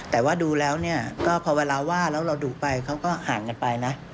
แต่ว่าดูแล้วเนี่ยก็พอเวลาว่าแล้วเราดุไปเขาก็ห่างกันไปนะ